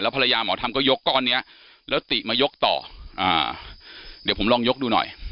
ภรรยาหมอทำก็ยกก้อนเนี้ยแล้วติมายกต่ออ่าเดี๋ยวผมลองยกดูหน่อย